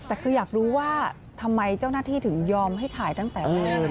แต่คืออยากรู้ว่าทำไมเจ้าหน้าที่ถึงยอมให้ถ่ายตั้งแต่แรก